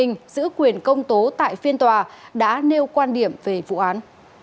giữ quyền công tố tại phiên tòa đã nêu quan điểm về vụ án